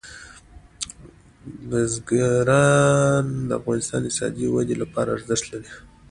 بزګان د افغانستان د اقتصادي ودې لپاره ارزښت لري.